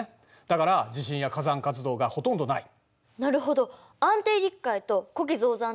だから地震や火山活動がほとんどない。